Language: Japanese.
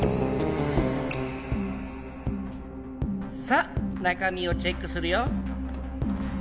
さあ中身をチェックするよ。